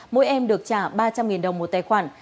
mỗi em được trả ba trăm linh đồng một tài khoản